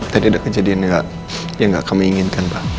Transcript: tadi ada kejadian yang gak kamu inginkan pak